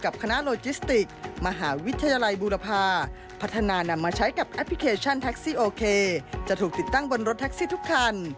บนรถแท็กซี่ทุกคัน